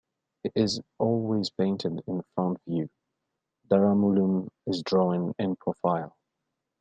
He is always painted in front view; Daramulum is drawn in profile.